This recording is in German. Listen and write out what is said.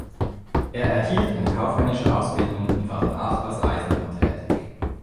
Er erhielt eine kaufmännische Ausbildung und war danach als Reisender tätig.